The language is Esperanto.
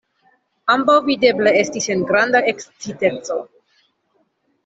Ambaŭ videble estis en granda eksciteco.